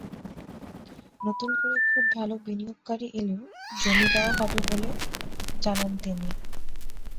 নতুন করে খুব ভালো বিনিয়োগকারী এলেও জমি দেওয়া হবে বলে জানান তিনি।